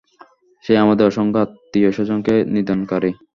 সে আমাদের অসংখ্য আত্মীয়-স্বজনকে নিধনকারী।